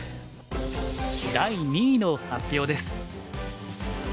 第２位の発表です。